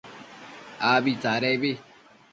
Abi tsadebi